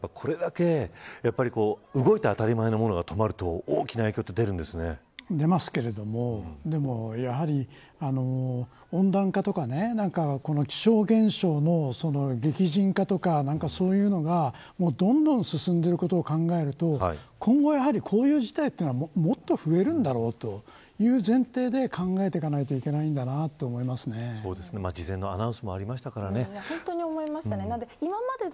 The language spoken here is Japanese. でも風間さん、これだけ動いて当たり前のものが止まると出ますけれどもでもやはり温暖化とか気象現象の激甚化とかそういうのがどんどん進んでいること考えると今後やはり、こういう事態はもっと増えるんだろうという前提で考えていかないといけないと事前のアナウンスも本当に思いましたね。